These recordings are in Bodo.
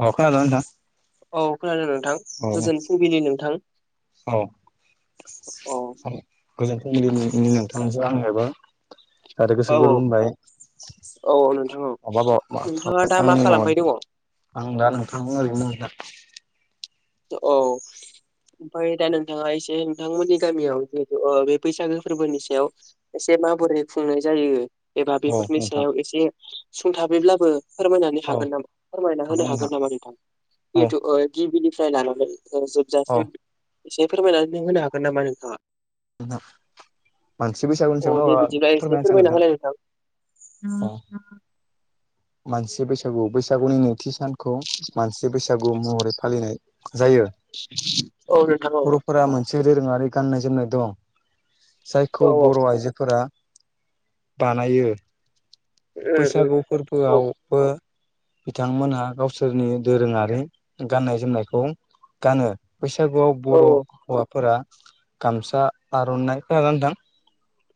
अ खोनादोना नोंथां? औ खोनादों नोंथां औ गोजोन फुंबिलि नोंथां औ औ गोजोन फुं बिदि नोंथां आनोबो आरो गोसो औ गोरबोनिफाय औ औ नोंथां औ माबा नोंथाङा थाबाय दा मा आंनि खालामबाय माबा दङ औ आं दा नोंथां ओरैनो औ ओमफ्राय दा नोंथाङा एसे नोंथांमोननि गामियाव जिहेतु ओ बे बैसागो फोरबोनि सायाव एसे माबोरै खुंनाय जायो एबा औ बेफोरनि नोंथां सायाव एसे सुंथाबैब्लाबो फोरमायनानै औ हागोन नामा फोरमायना होनो हागोन नामा नोंथां औ जिहेथु गिबिनिफ्राय लानानै औ जोबजासिम एसे फोरमायनानै होनो हागोन नामा नोंथाङा? नोंथां मानसि बैसागुनि अ सायाव न‌ ओ दे बिदिब्ला एसे फोरमायनाहोनोसै आं फोरमायना नोंथां होलाय अ [inaudible] मानसि बैसागु बैसागुनि नैथि सान खौ मानसि बैसागु महरै फालिनाय जायो औ नोंथां औ बरफोरा मोनसे दोरोङारि गाननाय जोमनाय दं औ जायखौ औ बर आइजोफोरा बानायो उम उम बैसागु औ फोरबोआवबो बिथांमोनहा गावसोरनि दोरोङारि गाननाय जोमनायखौ गानो बैसागुआव औ बर औ हौवाफोरा गामसा आर नाइ खोनादोंना नोंथां?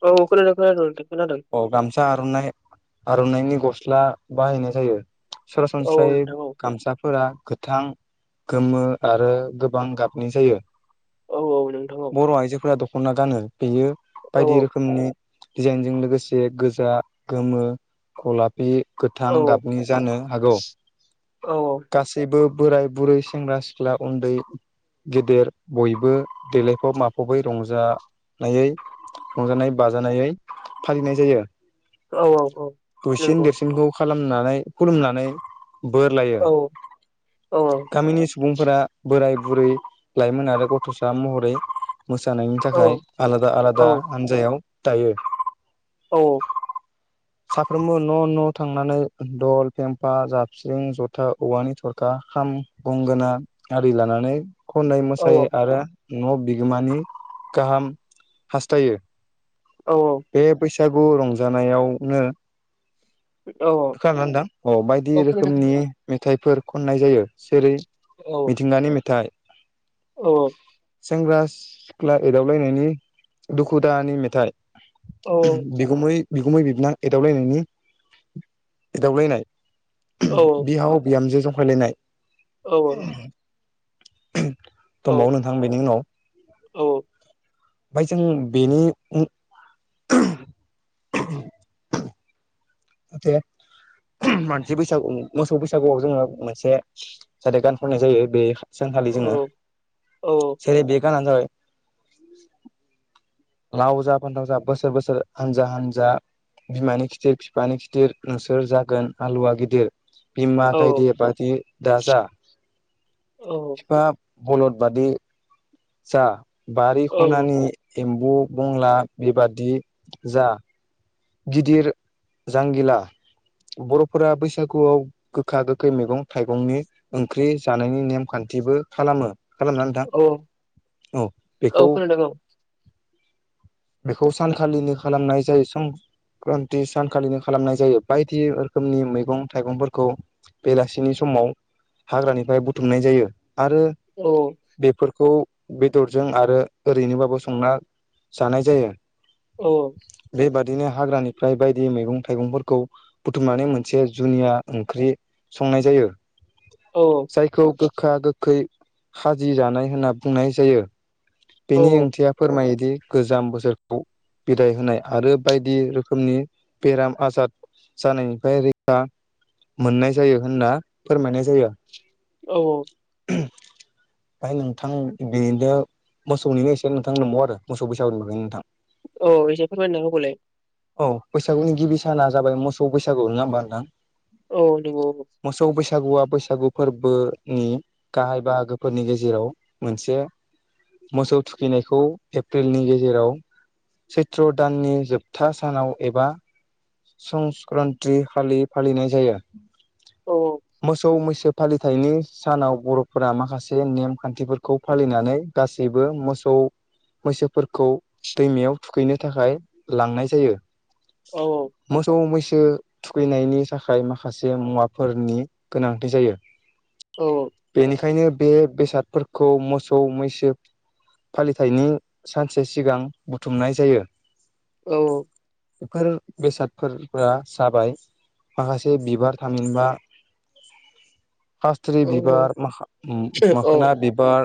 औ खोनादों खानादों नोंथां खोनादों अ गामसा आरनाइ आरनाइनि गस्ला बाहायनाय जायो औ सरासनस्रायै गामसाफोरा गोथां गोमो आरो गोबां गाबनि जायो औ औ नोंथां औ खना गानो बेयो औ बायदि रोखोमनि दिजाइनजों लोगोसे से गोजा गोमो गलाब बे गोथां औ गाबनि जानो हागौ औ गासैबो बोराय बुरै सेंग्रा सिख्ला उन्दै गेदेर बयबो देलायफब माफबै रंजा नायै रंजानाय बाजानायै फालिनाय जायो औ औ औ दुसिन नंगौ देरसिनखौ खालामनानै खुलुमनानै बोर लायो औ औ औ गामिनि सुबुंफोरा बोराय बुरै लाइमोन आरो गथसा महरै मोसानायनि औ थाखाय आलादा औ आलादा हान्जायाव दायो औ [inaudible] साफ्रोमबो न न थांनानै दल फेमफा जाबस्रिं जथा औवानि थरखा खाम गंगोना आरि लानानै खनै मोसायै आरो न बिगोमानि गाहाम हास्थायो औ औ बे बैसागु रंजानायावनो औ खोनादोंना नोंथा औ अ खोनादों खोनादों रोखोमनि मेथाइफोर खननाय जायो जेरै औ मिथिंगानि मेथाइ औ औ सेंग्रा सिख्ला एदावलायनायनि दुखु दाहानि मेथाइ औ बिगुमै बिगुमै बिबोनां एदावलायनायनि एदावलायनाय औ बिहाव बिहामजो जंखायलायनाय औ औ दंबावो नोंथां बेनि उनाव औ ओमफय जों बेनि [unintelligible] [unintelligible] [unintelligible] मानसि बैसागु मोसौ बैसागुआव जोङो मोनसे जाहाथे गान खननाय जायो बे सानखाालि जोङो औ जेरै बे गानानो जाबाय लाव जा फान्थाव जा बोसोर बोसोर हानजा हानजा बिमानि खिथेर बिफानि खिथिर नोंसोर जागोन हालुवा गिदिर बिमा गायदे बादि दाजा औ फिफा बलद बादि जा बारि खनानि औ एम्बु बंला बेबादि जा गिदिर जांगिला बर'फोरा बैसागुआव गोखा गोखै मैगं थाइगंनि ओंख्रि जानायनि नेमखान थिबो खालामो खालामना नोंथां औ बेखौ खोनादों औ बेखौ सानखालिनि खालामनाय जायो सं क्रान्ति सानखालिनो खालामनाय जायो बायदि रोखोमनि मैगं थाइगंफोरखौ बेलासिनि समाव हाग्रानिफ्राय बुथुमनाय जायो आरो औ बेफोरखौ बेदरजों आरो ओरैनोबाबो संना जानाय जायो औ बेबादिनो हाग्रानिफ्राय बायदि मैगं थाइगंफोरखौ बुथुमनानै मोनसे जुनिया ओंख्रि संनाय जायो औ जायखौ गोखा गोखै खाजि जानाय होनना बुंनाय जायो बेनि ओंथिया फोरमायोदि गोजाम बोसोरखौ बिदाय होनाय आरो बाय दि रोखोमनि बेराम आजार जानायनिफ्राय रैखा मोननाय जायो होनना फोरमायनाय जायो। औ औ [unintelligible] ओय नोंथां बेनो मोसौनि एसे नोंथां नंबाव आरो मोसौ बैसागुनिनो नोंथां औ एसे फोरमायना होबावलाय औ बैसागुनि गिबि साना जाबाय मोसौ बैसागु नङा होमबा नोंथां? औ नोंगौ मोसौ बैसागुआ बैसागु फोरबोनि गाहाय बाहागोफोरनि गेजेराव मोनसे मोसौ थुखैनायखौ एप्रिलनि गेजेराव सैत्र' दाननि जोब था सानाव एबा संस्क्रान्ती खालि फालिनाय जायो औ मोसौ मैसो फालिथायनि सानाव बर'फोरा माखासे नेम खान्थिफोरखौ फालिनानै गासैबो मोसौ मैसोफोरखौ दैमायाव थुखैनो थाखाय लांनाय जायो औ मोसौ मैस सो थुखैनायनि थाखाय माखासे मुवाफोरनि गोनांथि जायो बेनिखायनो बे बेसादफोरखौ मोसौ मैसो फालिथायनि सानसे सिगां बुथुमनाय जायो औ बेफोर बेसादफोरफोरा जाबाय माखासे बिबार थामिनबा खासथ्रि औ औ बिबार माखा उम माखोना औ बिबार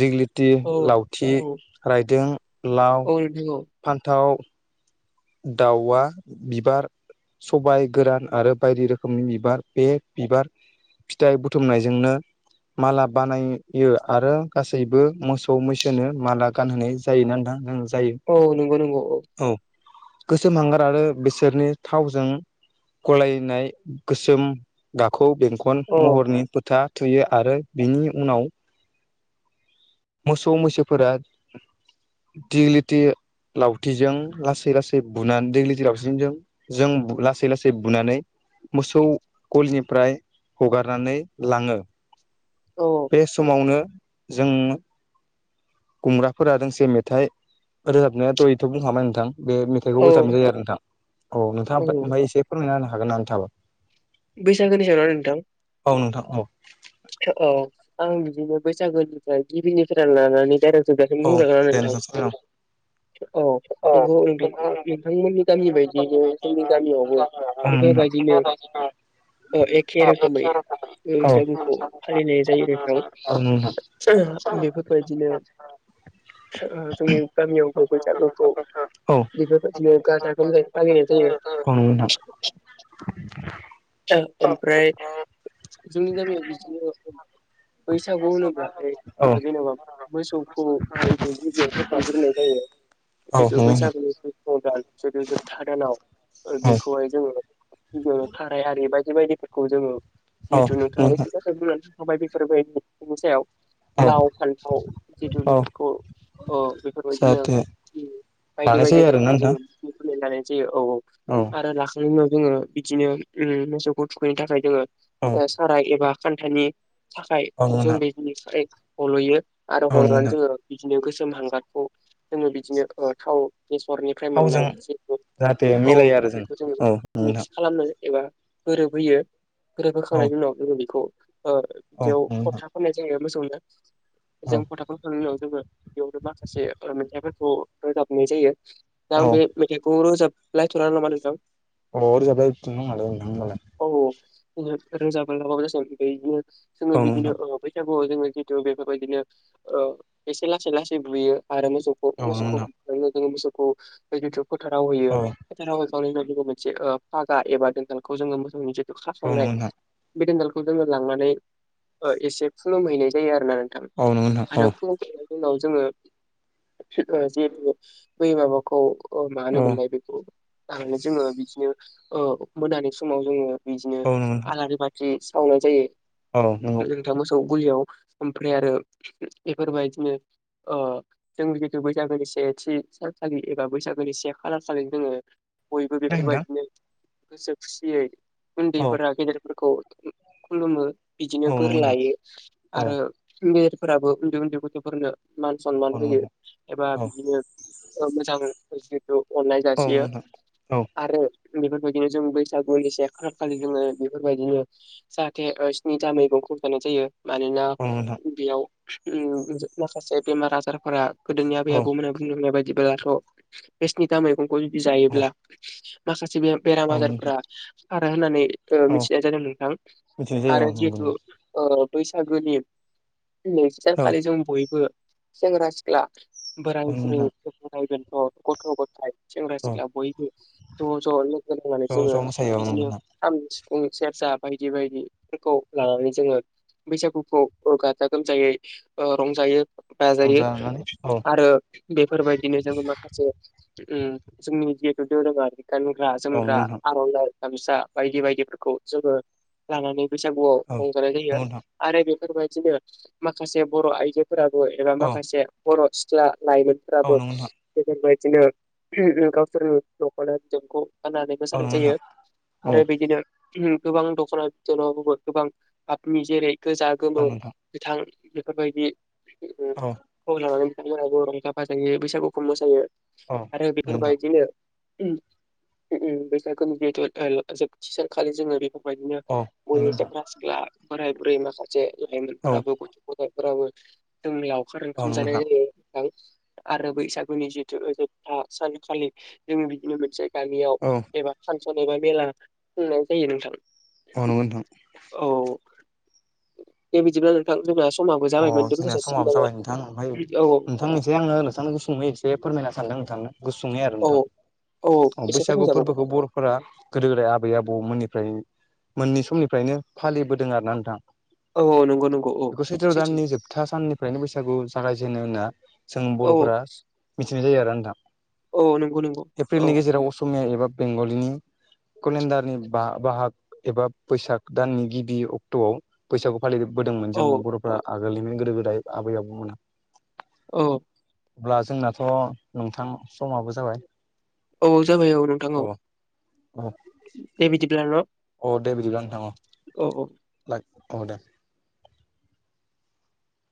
दिगलि थि औ लावथि रायदों लाव अ [unintelligible] फान्थाव दावआ बिबार सबाय गोरान आरो बायदि रोखोमनि बिबार बे बिबार फिथाइ बुथुमनायजोंनो माला बानायो आरो गासैबो मोसौ मैसोनो माला गानहोनाय जायोना नोंथां? जायो औ नंगौ नंगौ औ। गोसोम हांगार आरो बिसोरनि थावजों गलायनाय गोसोम गाखो खौ बेंखन औ महरनि फोथा थुयो आरो बिनि उनाव मोसौ मैसोफोरा दिगलिटि लावथिजों लासै लासै बुनानै दिग्लिथि लावथिंजों जों लासै लासै बुनानै मोसौ गलिनिफ्राय हगारनानै लाङो। औ बे समावनो जों गुमग्राफोरा दोंसे मेथाइ रोजाबनायाथ' एथ' बुंङामाय नोंथां। बे मेथाइखौ औ रोजाबनाय जायो आरो नोंथां। औ नोंथाङा ओमफ्राय एसे फोरमायना होनो हागोन नामा नोंथांङाबो? बैसागोनि ओ आरो नोंथां? औ नोंथां औ। औ आं बिदिनो बैसागोनिफ्राय गिबिनिफ्राय लानानै डाइरेक्ट जोबजासिम औ बुंदों दे नोंथां। सावरायलां औ नंगौ नोंथांमोननि गामि बायदियैनो जोंनि गामियावबो [unintelligible] अ एखे रोखोमै औ फालिनाय जायो नोंथां। बेफोरबायदिनो ओहो जोंनि गामियावबो बैसागोखौ औ बिफोर बायदिनो गाजा गोमजायै फालिनाय जायो। औ नोंथां ओमफ्राय जोंनि गामियाव बिदिनो बैसागु होनोब्ला औ जेनेबा मोसौखौ गिदिर गिदिर खुंग्रोनाय जायो औ जितु नंगौ नोंथां बैसागुनि बा जोबथा दानावाय ओ औ बेखौहाय जोङो थाराय आरि बा बेबायदिफोरखौ जोङो औ जिहेथु नोंथाङा नोंथां बैसा औ लाव फान्थाव जिथु औ बेफोरखौ अ बेफोरबायदिनो जाहाथे बायदि लानाय जायो आरोना बायदिफोरखौ नोंथां जोङो [unintelligible] यनानै जे औ औ औ आरो लाखांनायनि उनाव जोङो बिदिनो मोसौखौ थुखैनो थाखाय जोङो औ ओ साराय एबा खान्थाइनि थाखाय औ नंगौ जों बे नोंथां [unintelligible] हल'यो। आरो औ नंगौ हल'नानै नोंथां जोङो बिदिनो गोसोम हांगारखौ जोङो बिदिनो ओ थाव बेसरनिफ्राय मोननाय थावजों जेटु जाहाथे औ मिलायो आरो जों बेखौ जोङो औ नंगौ मिक्स नोंथां खालामनो एबा गोरोबहोयो औ गोरोबहोखांनायनि उनाव जोङो बेखौ ओ औ बिदियाव नंगौ फोथा फोननाय जायो मोसौनो। नोंथां औ जों फथा खालामखांनायनि उनाव जोङो बेयावनो माखासे मेथाइफोरखौ रोजाबनाय जायो। दा आं औ बे मेथाइखौ रोजाबलायथ'ला नामा नोंथां? औ [unintelligible] [unintelligible] जोङो औ बिदिनो बै आव जोङो जिहेतु बेफोरबायदिनो एसे लासै लासै बुयो आरो मोसौखौ मोसौखौ नोंथां ज मोसौ खौथु फोथाराव होयो औ फोथाराव [unintelligible] मोनसे फागा एबा दोनदालखौ जोङो मोसौनो खास्लायनाइ नंगौ बे दोनदालखौ जोङो लांनानै एसे खुलुम हैैनाय जायो आरो ना नोंथां नोंथां औ आरो खुुम उनाव जोङो जिहेतु बै माबाखौ मा औ होनोमोनलाय बेखौ लानानै जोङो बिदिनो मोनानि समाव जोङो बिदिनो नंगौ नोंथां आलारि बाथि सावनाय जायो औ नंगौ नोंथा। मोसौ गलियाव ओमफ्राय आरो बेफोरबायदिनो जों जिहेतु बैसागोनि सेथि सानखालि एबा बैसागोनि से खालार खालि जोङो बयबो नोंथां बेफोरबायदिनो गोसो खुसियै औ उन्दैफोरा गेदेरफोरखौ खुलुमो बिदिनो औ बोर नंगौ नोंथां लायो आरो औ फोराबो उन्दै उन्दै गथ'फोरनो मान सनमान होयो नंगौ एबा बिदिनो मोजां जिहेथु अननाय जासियो खोनायाखै नोंथां औ आरो बेफोरबायदिनो जों बैसागुनि से खालार खालि जोङो बेफोरबायदिनो जाहाथे स्नि था मैगं खौ जानाय जायो मानोना औ नंगौ नोंथां बेयाव माखासे बेमार आजारफोरा गोदोनि आबै औ नंगौ नोंथां औ नंगौ नोंथां औ नोंथां औ आबौमोनहा बुंलांनाय बायदिब्लाथ' बे स्निथा मैगंखौ जुदि औ जायोब्ला माखासे बेराम औ आजारफोरा नोंथां खारो होननानै ओ औ मिथिनाय जादों नोंथां मिथिनाय जायो आरो औ नंगौ जिहेथु ओ बैसागोनि नैथि नोंथां औ सानखालि जों बयबो सेंग्रा सिख्ला बोराय औ बुरै नोंथां [unintelligible] अ ग'थ गथाय सेंग्रा औ सिख्ला बयबो ज-ज लोगोनांनानै ज' नोंसोरो मोसायो औ बिदिनो नोंथां सिफुं सेरजा बायदि-बायदिफोरखौ लानानै जोङो बैसागुखौ ओ गाजा गोमजायै ओ रंजायो बाजायो रंजानानै औ आरो बेफोरबायदिनो जोङो माखासे उम जोंनि जिहेटु दोरोङारि गानग्रा औ जोमग्रा नंगौ नोंथां आरनाय गामसा बायदि बायदिफोरखौ जोङो लानानै बैसागुआव औ रंजानाय जायो नंगौ नोंथां आरो बेफोरबायदिनो माखासे बर' आइजो फोराबो एबा औ माखासे बर' सिख्ला औ लाइमोनफोराबो नंगौ नोंथां ज बिदिनो गावसोर [unintelligible] गाननानै औ मोसानाय नंगौ जायो आरो बिदिनो गोबां दख'ना बिदनाव गोबां गाबनि जेरै गोजा गोमो नोंथां गोथां बेफोरबायदि औ खौ लानानै बिथांमोनाबो रंजा बाजायो बैसागुखौ मोसायो औ आरो नोंथां बेफोरबायदिनो बैसागुनि बेथ' जोबथि सानखालि जोङो बेखौ औ नंगौ नोंथां [unintelligible] फोराबो औ जोंनि लावखार ओंखाम नंगौ नोंथां जानाय आरो बैसागुनि जिहेथु जोबथा सानखालि जोङो बिदिनो मोनसे गामियाव औ नंगौ नोंथां औ एबा फांसन एबा मेला खुंनाय जायो नोंथां अ नंगौ नोंथां। औ दे बिदिब्ला नोंथां जोंना समाबो अ जाबायमोन दोनथ' जोंनिया जासिगोन समाबो नामा? जाबाय नोंथां ओमफ्राय औ नोंथांनिसिम आङो नोंथांनिखौ एसे फोरमायना सानदों [unintelligible] गुसुङै आरो औ नोंथां औ अ एसे बैसागु फोरमायजाबावगौ फोर्बोखौ बर'फोरा गोदो गोदाय आबै आबौमोननि ओमफ्राय मोननै समनिफ्रायनो फालिबोदों आरो ना नोंथां औ नंगौ नंगौ औ [unintelligible] सैथो दाननि जोबथा साननिफ्रायनो बैसागु जागायजेन होना जों औ बर'फोरा मिथिनाय जायो आरो नोंथा औ नंगौ नंगौ एप्रिलनि औ गेजेराव असमिया एबा बेंगलिनि केलेन्डारनि बा बाहाग एबा बैसाग दाननि गिबि अक्ट'आव बैसागु फालिबोदोंमोन औ जों बर'फ्रा आगोलनिनो गोदो गोदाय आबै आबौमोना औ अब्ला जोंनाथ' नोंथां समाबो जाबाय औ जाबाय औ नोंथां औ अ अ दे बिदिब्ला न। अ दे बिदिब्ला नोंथां औ औ ला अ दे